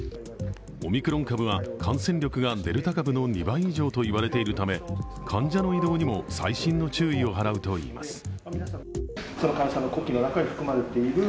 オミクロン株は感染力がデルタ株の２倍以上と言われているため、患者の移動にも細心の注意を払うといいます。